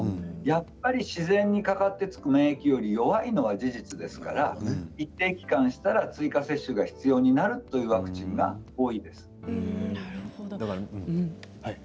自然にかかってつく免疫より弱いのは事実ですから一定期間したら追加接種が必要になるワクチンが多いんです。